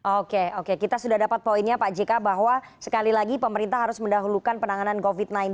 oke oke kita sudah dapat poinnya pak jk bahwa sekali lagi pemerintah harus mendahulukan penanganan covid sembilan belas